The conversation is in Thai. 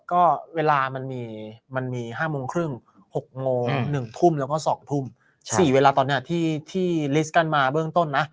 ก็เวลามันมีมันมี๕โมงครึ่ง๖โมง๑ทุ่มแล้วก็๒ทุ่ม๔เวลาตอนนี้ที่ลิสต์กันมาเบื้องต้นนะ